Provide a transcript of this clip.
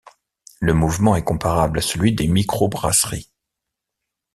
Le mouvement est comparable à celui des microbrasseries.